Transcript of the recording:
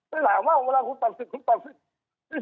ไม่หรอกว่าเวลาคุณตัดสิทธิ์คุณตัดสิทธิ์